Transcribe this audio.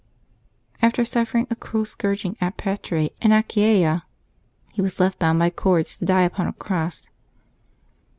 After suffering a cruel scourging at Patrae in Achaia, he was left, bound by cords, to die upon a cross.